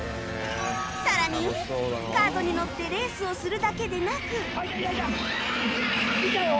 さらにカートに乗ってレースをするだけでなくいたよ！